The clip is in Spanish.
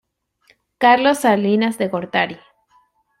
Carlos Salinas de Gortari.